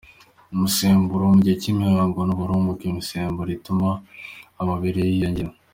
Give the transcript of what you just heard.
Imisemburo: mu gihe cy’imihango n’uburumbuke imisemburo ituma amabere yiyongera.